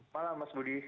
malam mas budi